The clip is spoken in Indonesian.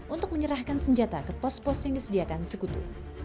untuk menyerahkan senjata ke pos pos yang disediakan sekutu